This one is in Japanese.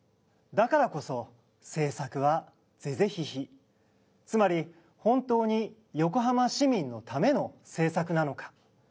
だからこそ政策は是々非々つまり本当に横浜市民のための政策なのか？